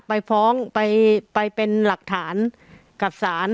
ไปฟ้องไปเป็นหลักฐานกับศาล